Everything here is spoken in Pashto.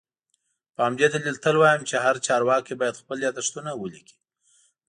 په همدې دلیل تل وایم چي هر چارواکی باید خپل یادښتونه ولیکي